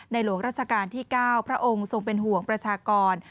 หลวงราชการที่๙พระองค์ทรงเป็นห่วงประชากร